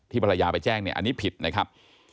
ภรรยาไปแจ้งเนี่ยอันนี้ผิดนะครับ